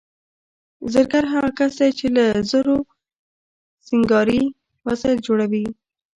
زرګر هغه کس دی چې له زرو سینګاري وسایل جوړوي